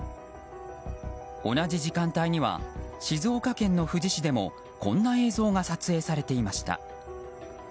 同じ時間帯には静岡県の富士市でもこんな映像が撮影されていました。